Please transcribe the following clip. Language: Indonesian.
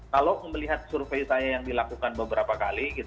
kalau melihat survei saya yang dilakukan beberapa kali